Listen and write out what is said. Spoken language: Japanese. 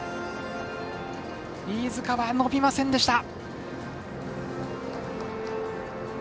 飯塚は伸びませんでした。